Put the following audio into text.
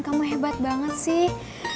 kamu hebat banget sih